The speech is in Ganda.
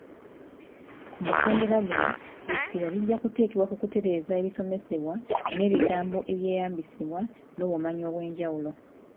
Ku mutendera guno, essira lijja kuteekebwa ku kutereeza ebisomesebwa n’ebigambo ebyeyambisibwa n’obumanyi obw’enjawulo.